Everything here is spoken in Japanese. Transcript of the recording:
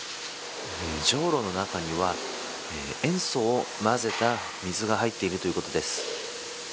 じょうろの中には塩素を混ぜた水が入っているということです。